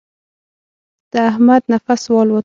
د احمد نفس والوت.